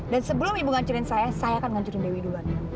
dan sebelum ibu ngancurin saya saya akan ngancurin dewi dulu